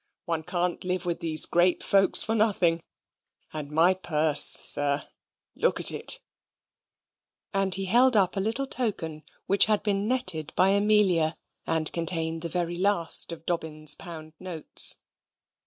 "One can't live with these great folks for nothing; and my purse, sir, look at it"; and he held up a little token which had been netted by Amelia, and contained the very last of Dobbin's pound notes.